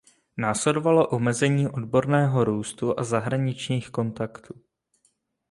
Následovalo omezení odborného růstu a zahraničních kontaktů.